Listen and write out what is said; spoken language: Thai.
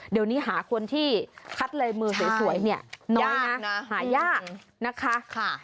เดี๋ยวนี้หาคนที่คัดลายมือสวยเนี่ยน้อยนะหายากนะคะ